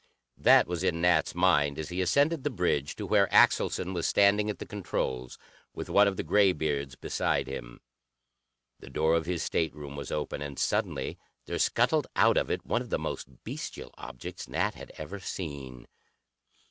That was in Nat's mind as he ascended the bridge to where Axelson was standing at the controls, with one of the graybeards beside him. The door of his stateroom was open, and suddenly there scuttled out of it one of the most bestial objects Nat had ever seen.